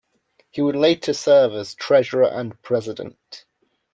He would later serve as treasurer and president.